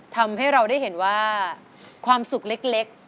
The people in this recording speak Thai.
ทำให้เราได้เห็นว่าความสุขเล็ก